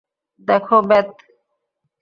দেখো, বেথ।